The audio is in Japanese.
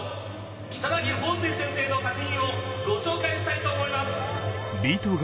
如月峰水先生の作品をご紹介したいと思います。